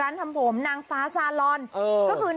นางฟ้าสาลล์อน